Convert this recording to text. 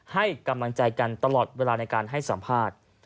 ให้กำลังใจกันตลอดเวลาในการให้สัมภาษณ์